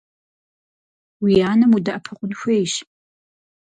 Уи анэм удэӏэпыкъун хуейщ.